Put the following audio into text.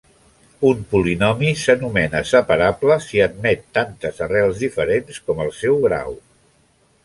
Un polinomi s'anomena separable si admet tantes arrels diferents com el seu grau.